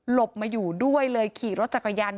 บมาอยู่ด้วยเลยขี่รถจักรยาน